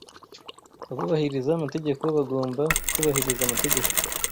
Abubahiriza amategeko bagomba kubahiriza amategeko.